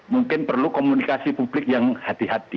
mungkin perlu komunikasi publik yang hati hati